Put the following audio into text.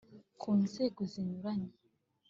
ku nzego zinyuranye